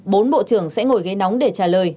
bốn bộ trưởng sẽ ngồi ghế nóng để trả lời